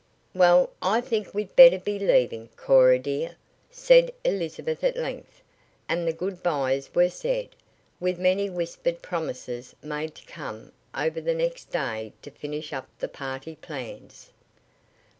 "Well, I think we'd better be leaving, Cora, dear," said Elizabeth at length, and the good bys were said, with many whispered promises made to come over the next day to finish up the party plans.